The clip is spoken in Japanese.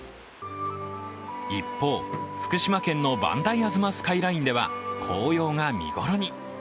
一方、福島県の磐梯吾妻スカイラインでは紅葉が見頃に。